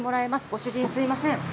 ご主人、すみません。